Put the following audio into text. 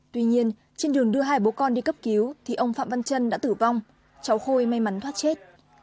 tuy nhiên trên đường đưa hai bố con đi cấp cứu thì ông phạm văn trân đã tử vong cháu khôi may mắn thoát chết